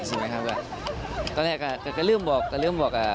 ใช่ไหมครับตอนแรกก็ก็อาจลืมบอก